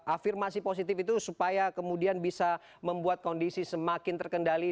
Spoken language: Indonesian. afirmasi positif itu supaya kemudian bisa membuat kondisi semakin terkendali